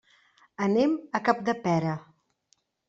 Anem a Capdepera.